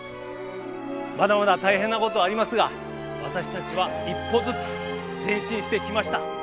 まだまだ大変なことありますが私たちは一歩ずつ前進してきました。